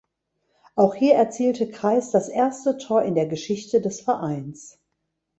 Auch hier erzielte Kreis das erste Tor in der Geschichte des Vereins.